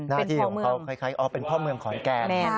หน้าที่ของเขาคล้ายอ๋อเป็นพ่อเมืองขอนแก่น